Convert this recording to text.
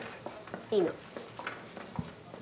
いいの。